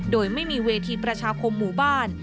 โดยไม่มีเวทีประชาคมหมู่บ้าน